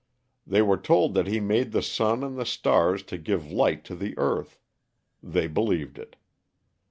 They were told that he made the sun and the stars to give light to the earth. They believed it.